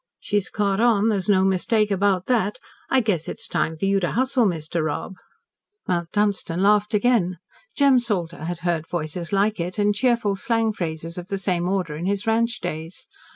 "She's caught on. There's no mistake about that. I guess it's time for you to hustle, Mr. Rob." Mount Dunstan laughed again. Jem Salter had heard voices like it, and cheerful slang phrases of the same order in his ranch days.